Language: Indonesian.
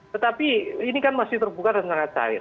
tetapi ini kan masih terbuka dan sangat cair